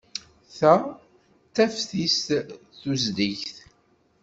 Ta d taftist tusligt.